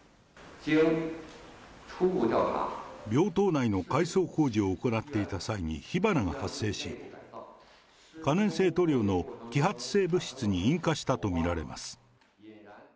病棟内の改装工事を行っていた際に火花が発生し、可燃性塗料の揮発性物質に引火したと見られます。